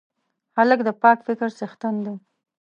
هلک د پاک فکر څښتن دی.